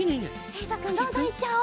えいとくんどんどんいっちゃおう。